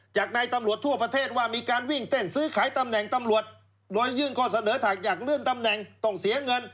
จากนายตำรวจทั่วประเทศว่ามีการวิ่งเต้นซื้อขายตำแหน่งตำรวจโดยยื่นข้อเสนอถากอยากเลื่อนตำแหน่งต้องเสียเงิน